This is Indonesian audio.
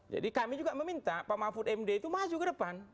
jadi kami juga meminta pak mahfud md itu maju ke depan